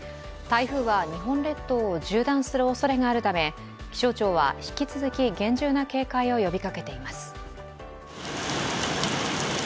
台風は日本列島を縦断するおそれがあるため、気象庁は、引き続き厳重な警戒を呼びかけています。